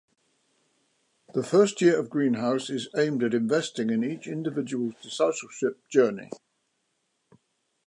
The first year of Greenhouse is aimed at investing in each individual’s discipleship journey.